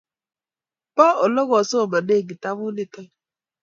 Po ole kosomane kitabut nitok